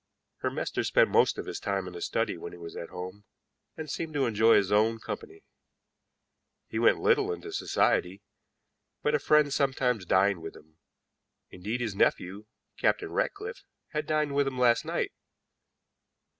Her master spent most of his time in his study when he was at home, and seemed to enjoy his own company. He went little into society, but a friend sometimes dined with him; indeed, his nephew, Captain Ratcliffe, had dined with him last night.